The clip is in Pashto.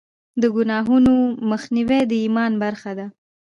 د ګناهونو مخنیوی د ایمان برخه ده.